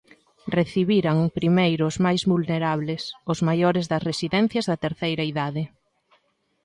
Recibiran primeiro os máis vulnerables: os maiores das residencias da terceira idade.